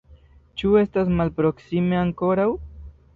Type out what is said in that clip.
Ĉu estas malproksime ankoraŭ?